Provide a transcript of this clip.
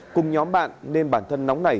cùng nhóm bạn nên bản thân nóng nảy